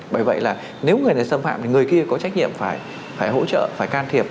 bởi vậy là nếu người này xâm phạm thì người kia có trách nhiệm phải hỗ trợ phải can thiệp